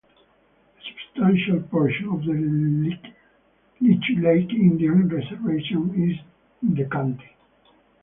A substantial portion of the Leech Lake Indian Reservation is in the county.